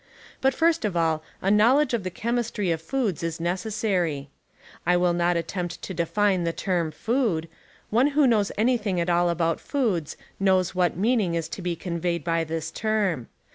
But first of all, a knowledge of the chemistry of foods is neces sary. I will not attempt to define the term "food" — one who knows anything at all about foods knows what meaning is to be conveyed by this term.